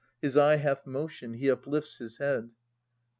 His eye hath motion. He uplifts his head.